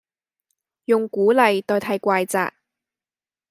用鼓勵代替怪責